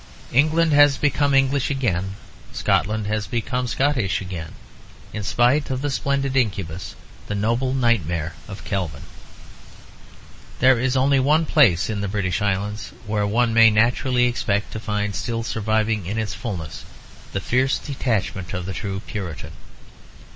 England has become English again; Scotland has become Scottish again, in spite of the splendid incubus, the noble nightmare of Calvin. There is only one place in the British Islands where one may naturally expect to find still surviving in its fulness the fierce detachment of the true Puritan.